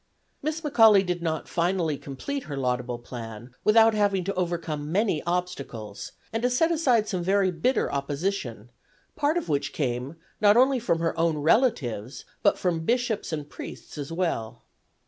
Miss McAuley did not finally complete her laudable plan without having to overcome many obstacles, and to set aside some very bitter opposition, part of which came, not only from her own relatives, but from bishops and priests as well.